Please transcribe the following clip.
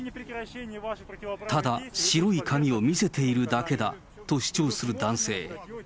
ただ白い紙を見せているだけだと主張する男性。